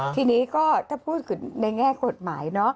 ทีนี้พูดถึงในแง่กฎหมาย